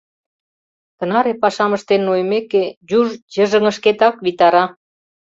Тынаре пашам ыштен нойымеке, юж йыжыҥышкетак витара...